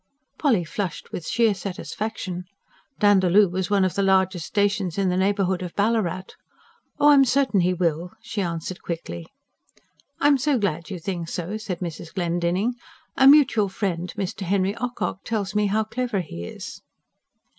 Polly flushed, with sheer satisfaction: Dandaloo was one of the largest stations in the neighbourhood of Ballarat. "Oh, I'm certain he will," she answered quickly. "I am so glad you think so," said Mrs. Glendinning. "A mutual friend, Mr. Henry Ocock, tells me how clever he is."